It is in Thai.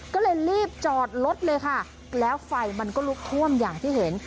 ก็เลยรีบจอดรถเลยค่ะแล้วไฟมันก็ลุกท่วมอย่างที่เห็น